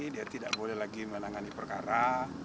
dia tidak boleh lagi menangani perkara